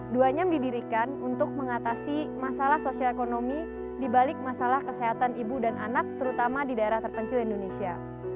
duanyam didirikan untuk mengatasi masalah sosial ekonomi dibalik masalah kesehatan ibu dan anak terutama di daerah terpencil indonesia